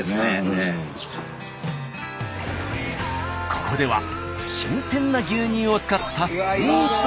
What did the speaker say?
ここでは新鮮な牛乳を使ったスイーツも味わえるんです。